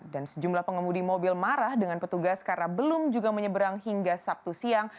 dan sejumlah pengemudi mobil marah dengan petugas karena belum juga menyeberang hingga sabtu siang